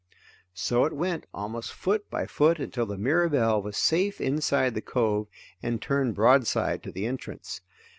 So it went, almost foot by foot until the Mirabelle was safe inside the cove and turned broadside to the entrance.